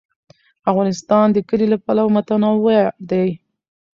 افغانستان د کلي له پلوه متنوع دی.